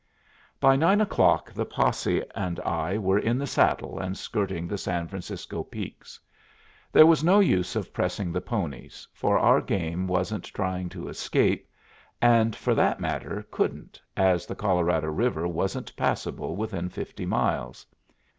By nine o'clock the posse and I were in the saddle and skirting the San Francisco peaks. There was no use of pressing the ponies, for our game wasn't trying to escape, and, for that matter, couldn't, as the Colorado River wasn't passable within fifty miles.